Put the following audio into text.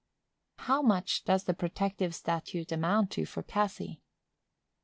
How much does the protective statute amount to for Cassy?